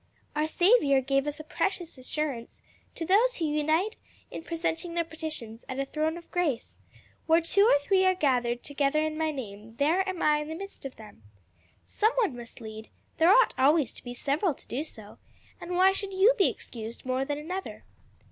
"Our Saviour gave a precious assurance to those who unite in presenting their petitions at a throne of grace. 'Where two or three are gathered together in my name, there am I in the midst of them.' Some one must lead there ought always to be several to do so and why should you be excused more than another?"